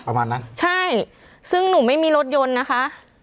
ประมาณนั้นใช่ซึ่งหนูไม่มีรถยนต์นะคะ